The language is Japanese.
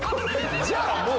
じゃあもう。